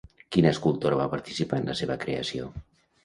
Quina escultora va participar en la seva creació?